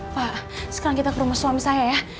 wah sekarang kita ke rumah suami saya ya